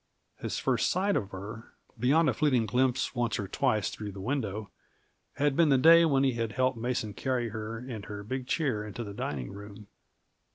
His first sight of her beyond a fleeting glimpse once or twice through the window had been that day when he had helped Mason carry her and her big chair into the dining room.